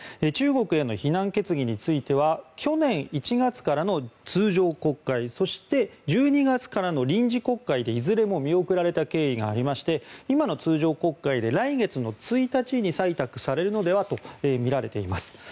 中国への非難決議については去年１月からの通常国会そして１２月からの臨時国会でいずれも見送られた経緯がありまして今の通常国会で来月の１日に採択されるのではとみられています。